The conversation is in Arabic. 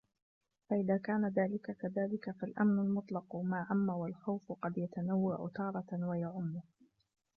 فَإِذَا كَانَ ذَلِكَ كَذَلِكَ فَالْأَمْنُ الْمُطْلَقُ مَا عَمَّ وَالْخَوْفُ قَدْ يَتَنَوَّعُ تَارَةً وَيَعُمُّ